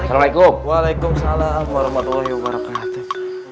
assalamualaikum waalaikumsalam warahmatullahi wabarakatuh